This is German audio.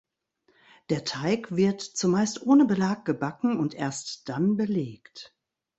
Der Teig wird zumeist ohne Belag gebacken und erst dann belegt.